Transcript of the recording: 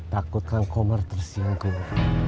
takut kang komar tersinggung